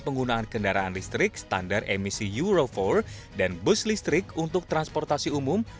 penggunaan kendaraan listrik standar emisi euro empat dan bus listrik untuk transportasi umum